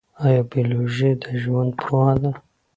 ایا بیولوژي د ژوند پوهنه ده؟